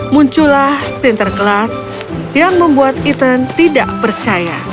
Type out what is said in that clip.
muncullah sinterklas yang membuat ethan tidak percaya